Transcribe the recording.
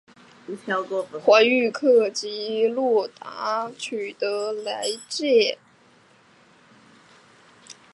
华域克及洛达取得来届荷甲参赛席位。